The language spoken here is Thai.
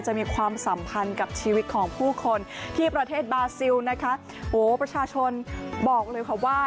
มีความสัมพันธ์กับชีวิตของผู้คนที่ประเทศบาซิลนะคะโอ้ประชาชนบอกเลยค่ะว่า